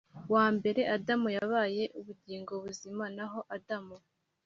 Wa mbere adamu yabaye ubugingo buzima naho adamu